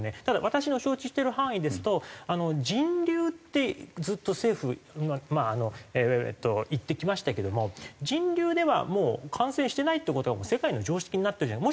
ただ私の承知している範囲ですと人流ってずっと政府言ってきましたけども人流ではもう感染してないって事が世界の常識になってる。